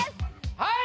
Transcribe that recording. はい